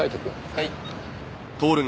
はい。